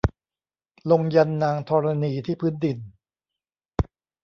ลงยันต์นางธรณีที่พื้นดิน